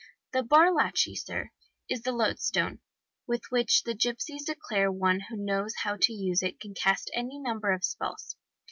"The bar lachi, sir, is the loadstone, with which the gipsies declare one who knows how to use it can cast any number of spells.